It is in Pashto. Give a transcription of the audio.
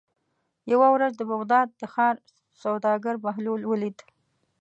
یوه ورځ د بغداد د ښار سوداګر بهلول ولید.